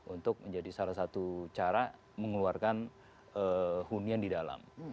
untuk menjadi salah satu cara mengeluarkan hunian di dalam